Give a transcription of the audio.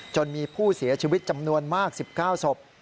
มีผู้เสียชีวิตจำนวนมาก๑๙ศพ